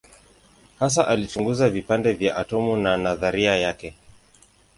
Hasa alichunguza vipande vya atomu na nadharia yake.